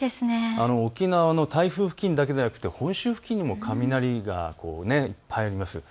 沖縄の台風付近だけではなく本州付近にも雷がいっぱいあります。